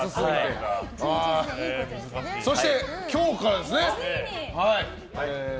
そして今日からですね。